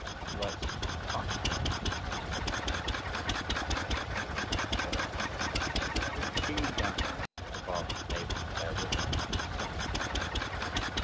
He writes party pamphlets for his followers. 20. It is extremely doubtful whether Wagner is able to bear witness about himself.